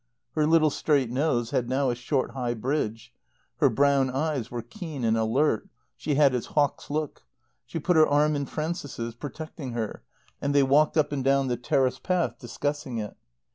Her little straight nose had now a short high bridge; her brown eyes were keen and alert; she had his hawk's look. She put her arm in Frances's, protecting her, and they walked up and down the terrace path, discussing it.